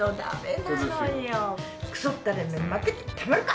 クソッタレめ負けてたまるか！